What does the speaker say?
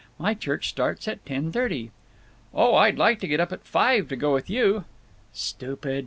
My church starts at ten thirty." "Oh, I'd get up at five to go with you." "Stupid!